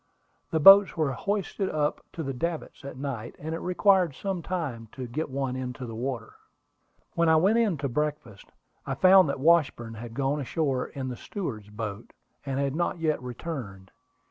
The boats were hoisted up to the davits at night, and it required some time to get one into the water. When I went in to breakfast, I found that Washburn had gone ashore in the steward's boat, and had not yet returned.